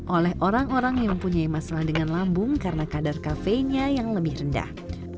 oleh orang orang yang mempunyai masalah dengan lambung karena kadar kafenya yang lebih rendah